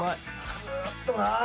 クーッとな。